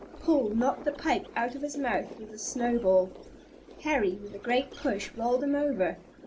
Paul knocked the pipe out of his mouth with a snow ball. Harry, with a great push, rolled him over.